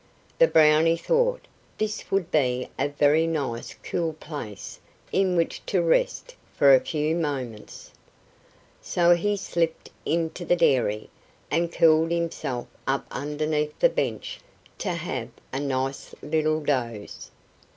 The Brownie thought this would be a very nice cool place in which to rest for a few moments. So he slipped into the dairy, and curled himself up underneath the bench to have a nice little doze.